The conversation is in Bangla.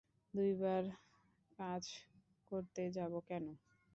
দুইবার কাজ করতে যাব কেন?